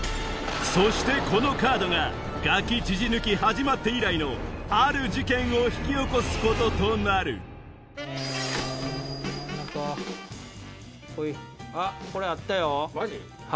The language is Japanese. そしてこのカードが『ガキ』ジジ抜き始まって以来のある事件を引き起こすこととなる来い！